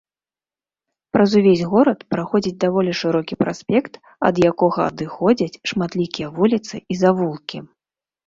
Праз увесь горад праходзіць даволі шырокі праспект, ад якога адыходзяць шматлікія вуліцы і завулкі.